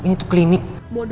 ini tuh klinik